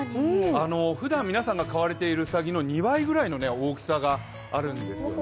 ふだん皆さんが飼われているうさぎの２倍ぐらいの大きさがあるんですよ